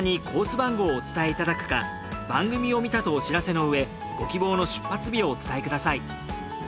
番号をお伝えいただくか番組を見たとお知らせのうえご希望の出発日をお伝えください。